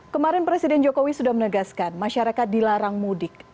kemarin presiden jokowi sudah menegaskan masyarakat dilarang mudik